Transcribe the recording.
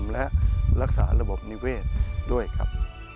และรักษาระบบนิเวศด้วยครับ